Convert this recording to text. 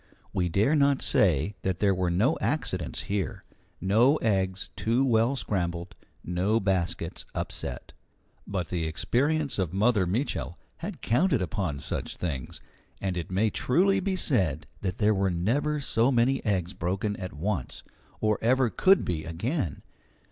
We dare not say that there were no accidents here, no eggs too well scrambled, no baskets upset. But the experience of Mother Mitchel had counted upon such things, and it may truly be said that there were never so many eggs broken at once, or ever could be again.